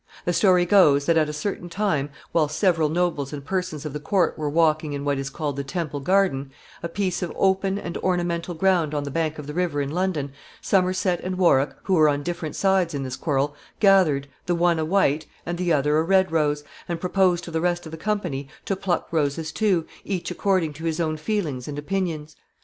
The story goes that at a certain time, while several nobles and persons of the court were walking in what is called the Temple Garden, a piece of open and ornamental ground on the bank of the river in London, Somerset and Warwick, who were on different sides in this quarrel, gathered, the one a white, and the other a red rose, and proposed to the rest of the company to pluck roses too, each according to his own feelings and opinions.